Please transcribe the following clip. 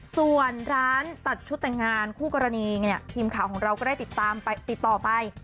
ส่วนร้านตัดชุดแต่งงานคู่กรณีเนี่ยทีมข่าวของเราก็ได้ติดตามติดต่อไป